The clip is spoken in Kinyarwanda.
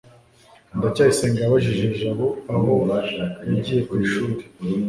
ndacyayisenga yabajije jabo aho yagiye ku ishuri